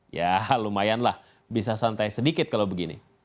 ya lumayanlah bisa santai sedikit kalau begini